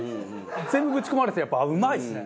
全部ぶち込まれるとやっぱうまいですね。